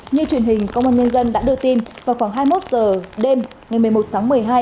như truyền hình công an nhân dân đã đưa tin vào khoảng hai mươi một h đêm ngày một mươi một tháng một mươi hai